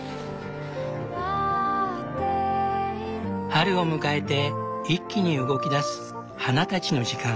春を迎えて一気に動きだす花たちの時間。